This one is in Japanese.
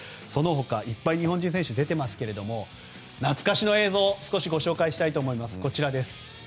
その他、いっぱい日本人選手出てますけれども懐かしの映像をご紹介したいと思います。